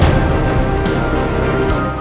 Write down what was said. aku akan mencari kebenaran